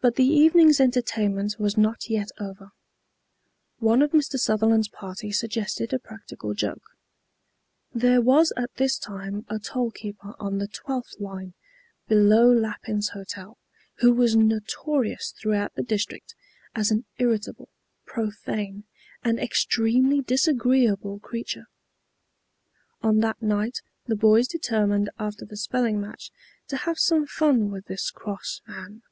But the evening's entertainment was not yet over. One of Mr. Sutherland's party suggested a practical joke. There was at this time a toll keeper on the 12th line below Lappin's Hotel, who was notorious throughout the district as an irritable, profane and extremely disagreeable creature. On that night the boys determined after the spelling match to have some fun with this cross man.